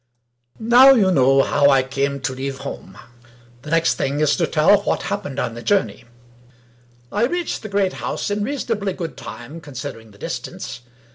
Now you know how I came to leave home. The next thing to tell is, what happened on the journey. I reached the great house in reasonably good time con sidering the distance.